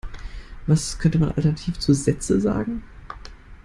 Was könnte man Alternativ zu Sätze sagen?